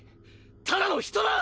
ただの人だ！！